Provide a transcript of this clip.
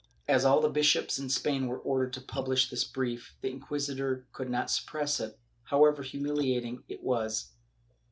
As all the bishops in Spain were ordered to publish this brief, the Inquisition could not suppress it, however humiliating it was.